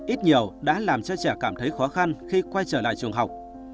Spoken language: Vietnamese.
ít nhiều đã làm cho trẻ cảm thấy khó khăn khi quay trở lại trường học